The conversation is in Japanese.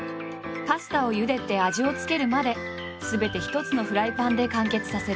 パスタをゆでて味を付けるまですべて一つのフライパンで完結させる。